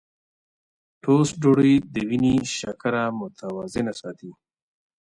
ټوسټ ډوډۍ د وینې شکره متوازنه ساتي.